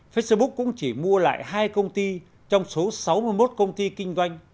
facebook cũng chỉ mua lại hai công ty trong số sáu mươi một công ty kinh doanh